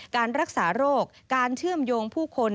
การรักษาโรคการเชื่อมโยงผู้คน